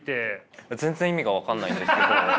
全然意味が分かんないんですけど。